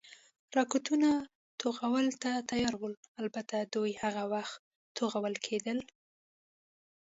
راکټونه، توغولو ته تیار ول، البته دوی هغه وخت توغول کېدل.